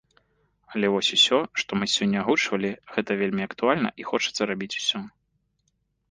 Але вось усё, што мы сёння агучвалі, гэта вельмі актуальна і хочацца рабіць усё!